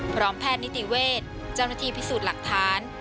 พร้อมแพทย์นิติเวศเจ้าหน้าที่พิสูจน์หลักฐาน